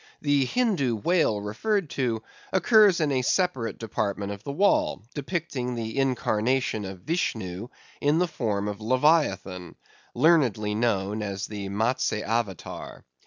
The Hindoo whale referred to, occurs in a separate department of the wall, depicting the incarnation of Vishnu in the form of leviathan, learnedly known as the Matse Avatar.